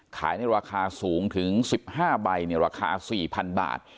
ขายในราคาสูงถึง๑๕ใบในราคา๔๐๐๐บาท